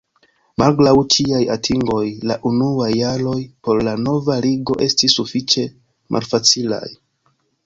Malgraŭ ĉiaj atingoj la unuaj jaroj por la nova Ligo estis sufiĉe malfacilaj.